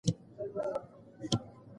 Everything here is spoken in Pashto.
زما د دفتر لاره له همدې ځایه تېریږي.